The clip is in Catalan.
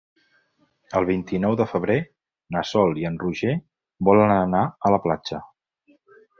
El vint-i-nou de febrer na Sol i en Roger volen anar a la platja.